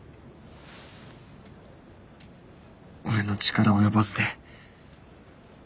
俺の力及ばずで。